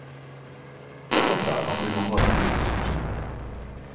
Tato práva by mohla být rozšířena.